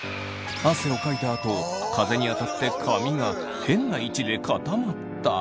汗をかいたあと風に当たって髪が変な位置で固まった。